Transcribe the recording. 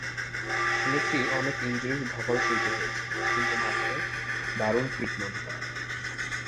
শুনেছি অনেক ইনজুরির ধকল সইতে হয়েছে, কিন্তু মাঠে দারুণ ফিট মনে হলো।